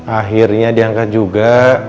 akhirnya diangkat juga